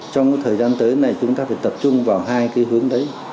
trong thời gian tới này chúng ta phải tập trung vào hai cái hướng đấy